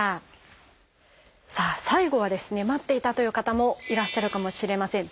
さあ最後はですね待っていたという方もいらっしゃるかもしれません。